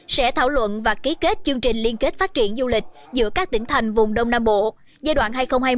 sẽ thảo luận và ký kết chương trình liên kết phát triển du lịch giữa các tỉnh thành vùng đông nam bộ giai đoạn hai nghìn một mươi chín hai nghìn hai mươi năm